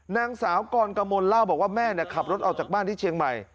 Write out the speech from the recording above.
นางสาวกรกมลเล่าบอกว่าแม่ขับรถออกจากบ้านที่เชียงใหม่